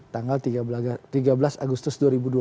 tanggal tiga belas agustus dua ribu dua puluh